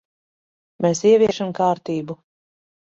Mēs ieviešam kārtību.